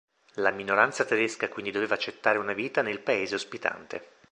La minoranza tedesca quindi doveva accettare una vita nel “paese ospitante”.